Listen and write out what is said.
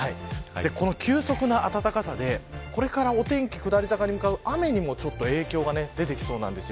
急速な暖かさでこれからお天気下り坂に向かう雨にも影響が出てきそうです。